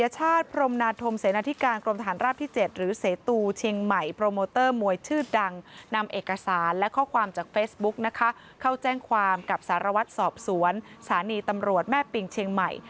เข้าแจ้งความกับสารวัตรสอบสวนสถานีตำรวจแม่ปิงเชียงใหม่